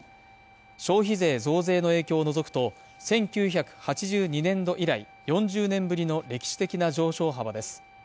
消費税増税の影響を除くと１９８２年度以来４０年ぶりの歴史的な上昇幅です。